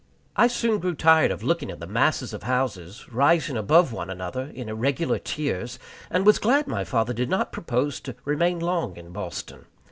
I soon grew tired of looking at the masses of houses, rising above one another in irregular tiers, and was glad my father did not propose to remain long in Boston.